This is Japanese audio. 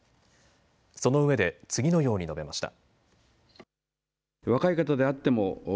そのうえで次のように述べました。